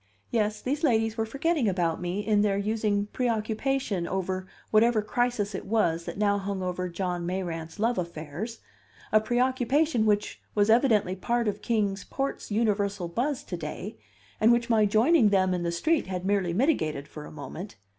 Yes, these ladies were forgetting about me in their using preoccupation over whatever crisis it was that now hung over John Mayrant's love affairs a preoccupation which was evidently part of Kings Port's universal buzz to day, and which my joining them in the street had merely mitigated for a moment.